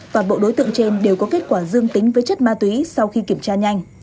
toàn bộ đối tượng trên đều có kết quả dương tính với chất ma túy sau khi kiểm tra nhanh